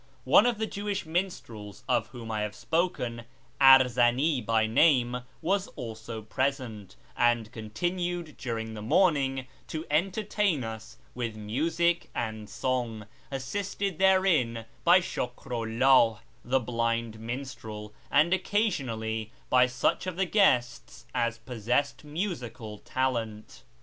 One of the Jewish minstrels of whom I have spoken, Arzani by name, was also present, and continued during the morning to entertain us with music and song, assisted therein by Shukru Ihih, the blind minstrel, and occa sionally by such of the guests as possessed musical talent.